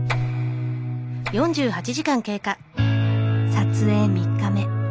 撮影３日目。